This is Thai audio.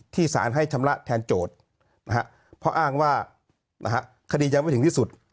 สารให้ชำระแทนโจทย์เพราะอ้างว่าคดียังไม่ถึงที่สุด